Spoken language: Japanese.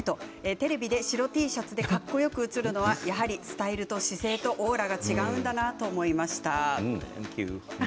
テレビで白Ｔシャツでかっこよく映るのはやはりスタイルと姿勢とオーラが違うんだなと思いました。